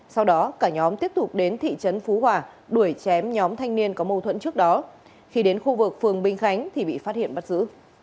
sau đó cả nhóm tiếp tục đến thị trấn phú hòa đuổi chém nhóm thanh niên có mâu thuẫn trước đó khi đến khu vực phường bình khánh thì bị phát hiện bắt giữ